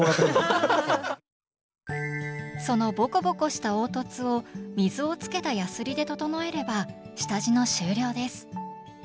そのボコボコした凹凸を水をつけたヤスリで整えれば下地の終了です。